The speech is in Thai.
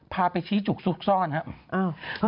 พาไปชี้จุกซุกซ่อนครับ